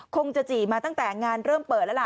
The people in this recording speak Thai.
คงจะจี่มาตั้งแต่งานเริ่มเปิดแล้วล่ะ